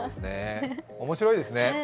面白いですね。